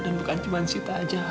dan bukan cuma sita aja aku